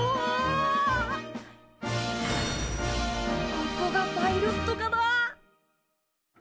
ここがパイロット科だ。